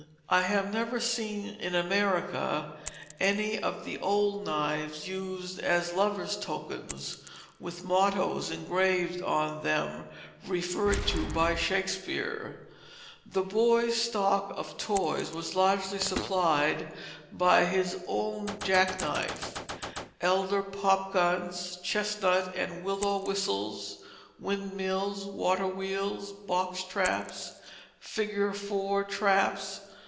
I have never seen in America any of the old knives used as lovers' tokens, with mottoes engraved on them, referred to by Shakespeare. The boy's stock of toys was largely supplied by his own jack knife: elder pop guns, chestnut and willow whistles, windmills, water wheels, box traps, figure 4 traps.